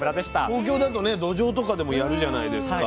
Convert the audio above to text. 東京だとねどじょうとかでもやるじゃないですか。